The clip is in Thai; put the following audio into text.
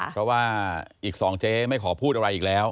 เพราะว่าอีก๒เจ๊ไม่ขอพูดอะไรอีกแล้ว